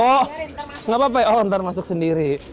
oh nggak apa apa ya oh ntar masuk sendiri